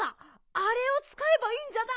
あれをつかえばいいんじゃない？